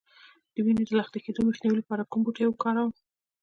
د وینې د لخته کیدو مخنیوي لپاره کوم بوټی وکاروم؟